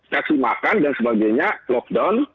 kasih makan dan sebagainya lockdown